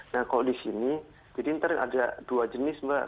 nah kalau di sini jadi ntar ada dua jenis mbak